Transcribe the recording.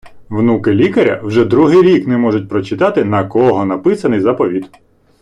Внуки лікаря вже другий рік не можуть прочитати на кого написаний заповіт